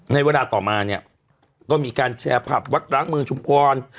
ในเวลาต่อมาเนี่ยก็มีการแชร์ภาพวัดร้างเมืองชุมพร